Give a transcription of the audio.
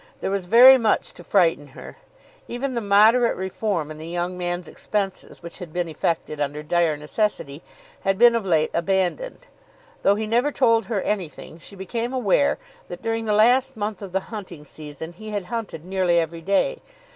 There was very much to frighten her. Even the moderate reform in the young man's expenses which had been effected under dire necessity had been of late abandoned. Though he never told her anything, she became aware that during the last month of the hunting season he had hunted nearly every day.